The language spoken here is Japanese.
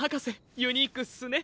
ユニークっすね。